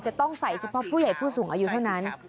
จะต้องใส่เฉพาะผู้ใหญ่ผู้สูงอายุเท่านั้น